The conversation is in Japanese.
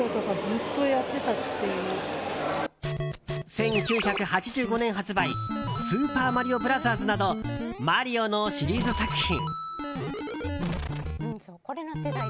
１９８５年発売「スーパーマリオブラザーズ」など、「マリオ」のシリーズ作品。